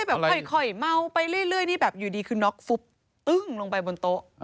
แบบค่อยเมาไปเรื่อยนี่แบบอยู่ดีคือน็อกฟุบตึ้งลงไปบนโต๊ะ